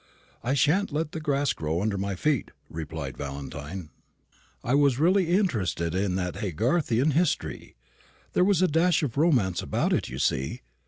"I shan't let the grass grow under my feet," replied Valentine. "I was really interested in that Haygarthian history: there was a dash of romance about it, you see.